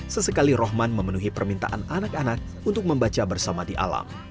sesekali rohman memenuhi permintaan anak anak untuk membaca bersama di alam